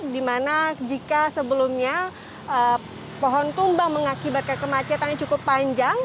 di mana jika sebelumnya pohon tumbang mengakibatkan kemacetan yang cukup panjang